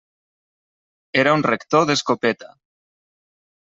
Era un rector d'escopeta.